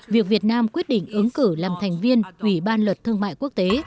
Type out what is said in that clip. việc việt nam quyết định ứng cử làm thành viên ủy ban luật thương mại quốc tế